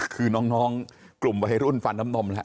คือน้องกลุ่มวัยรุ่นฟันน้ำนมแล้ว